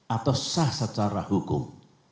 atau sah secara hukum